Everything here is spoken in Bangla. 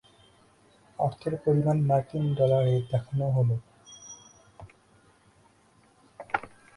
অর্থের পরিমাণ মার্কিন ডলার-এ দেখানো হলো।